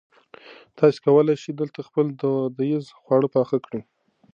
تاسي کولای شئ دلته خپل دودیز خواړه پخ کړي.